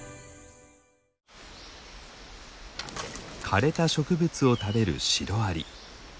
枯れた植物を食べるシロアリ。